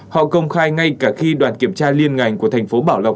họ công khai ngay cả khi đoàn kiểm tra liên ngành của thành phố